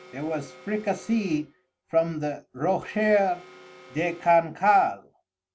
There was Fricassée from the Rocher de Cancale.